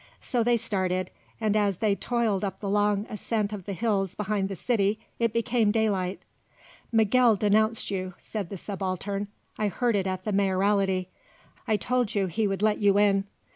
So they started, and as they toiled up the long ascent of the hills behind the city, it became daylight. "Miguel denounced you," said the Subaltern; "I heard it at the Mayoralty. I told you he would let you in.